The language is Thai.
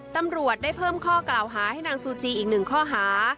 ตำรวจได้เพิ่มข้อกล่าวหาให้นางซูจีอีกหนึ่งข้อหา